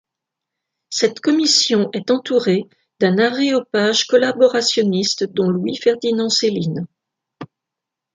Cette commission est entourée d'un aréopage collaborationniste dont Louis-Ferdinand Céline.